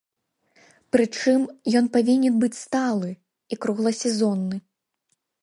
Прычым, ён павінен быць сталы і кругласезонны.